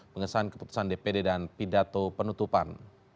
mengesahan keputusan dpd dan pidato penutupan